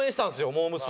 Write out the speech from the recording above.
モー娘。